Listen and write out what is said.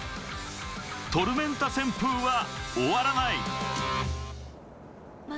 トルメンタ旋風は終わらない。